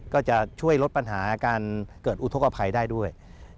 ก็จะช่วยลดปัญหาการเกิดอุทธกภัยได้ด้วย